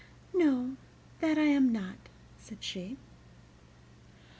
"No, that I am not," said she.